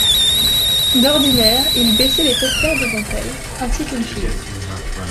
D’ordinaire, il baissait les paupières devant elle, ainsi qu’une fille.